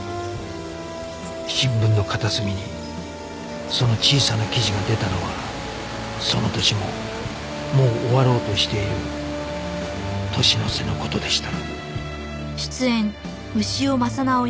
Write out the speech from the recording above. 新聞の片隅にその小さな記事が出たのはその年ももう終わろうとしている年の瀬の事でした